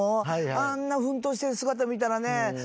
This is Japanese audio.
あんな奮闘してる姿見たらね。